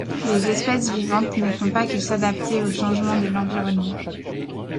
Les espèces vivantes ne font pas que s’adapter aux changements de l’environnement.